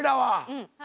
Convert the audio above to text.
うん。